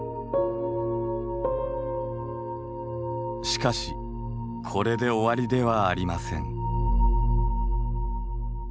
しかしこれで終わりではありません。